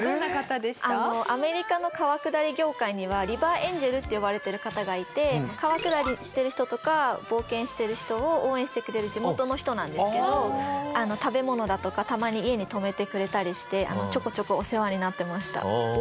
アメリカの川下り業界にはリバーエンジェルって呼ばれてる方がいて川下りしてる人とか冒険してる人を応援してくれる地元の人なんですけど食べ物だとかたまに家に泊めてくれたりしてちょこちょこお世話になってました。